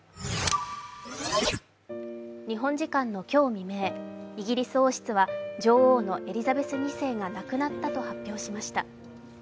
日本時間の今日未明、イギリス王室は女王のエリザベス２世が亡くなったと発表しました。